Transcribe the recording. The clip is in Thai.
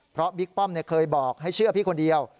เพราะบิ๊กป้อมเคยบอกให้เชื่อพี่คนเดียว